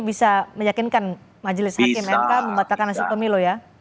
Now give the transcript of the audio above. bisa meyakinkan majelis hakim mk membatalkan hasil pemilu ya